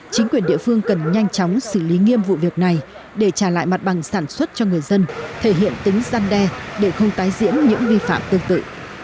chính quyền địa phương cần nhanh chóng xử lý nghiêm vụ việc này để trả lại mặt bằng sản xuất cho người dân thể hiện tính gian đe để không tái diễn những vi phạm tương tự